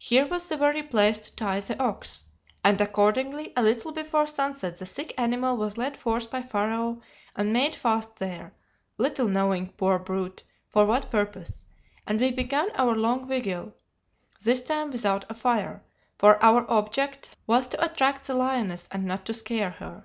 "Here was the very place to tie the ox; and accordingly a little before sunset the sick animal was led forth by Pharaoh and made fast there, little knowing, poor brute, for what purpose; and we began our long vigil, this time without a fire, for our object was to attract the lioness and not to scare her.